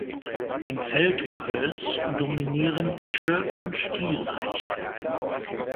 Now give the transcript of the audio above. Im Feldgehölz dominieren Esche und Stieleiche.